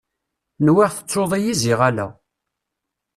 Nwiɣ tettuḍ-iyi ziɣ ala.